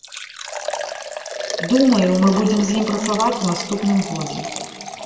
Думаю, мы будзем з ім працаваць у наступным годзе.